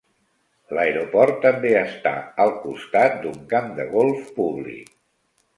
L'aeroport també està al costat d'un camp de golf públic.